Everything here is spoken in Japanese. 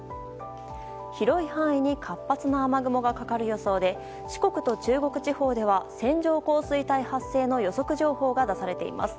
広い範囲に活発な雨雲がかかる予想で四国と中国地方では線状降水帯発生の予測情報が出されています。